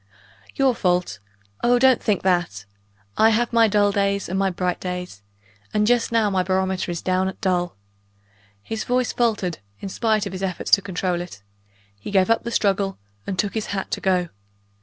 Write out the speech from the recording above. "Your fault? oh, don't think that! I have my dull days and my bright days and just now my barometer is down at dull." His voice faltered, in spite of his efforts to control it; he gave up the struggle, and took his hat to go.